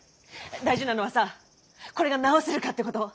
大事なのはさこれが治せるかってこと！